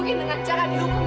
mungkin dengan cara dirukuh kamu